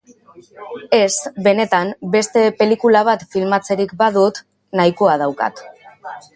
Ez, benetan, beste pelikula bat filmatzerik badut, nahikoa daukat.